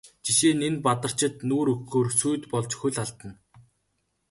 Жишээ нь энэ Бадарчид нүүр өгөхөөр сүйд болж хөл алдана.